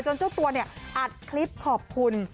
เจ้าตัวเนี่ยอัดคลิปขอบคุณ